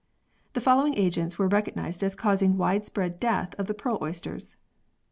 The following agents were recognised as causing widespread death of the pearl oysters : 1.